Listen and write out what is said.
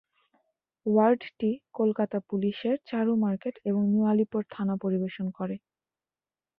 ওয়ার্ডটি কলকাতা পুলিশের চারু মার্কেট এবং নিউ আলিপুর থানা পরিবেশন করে।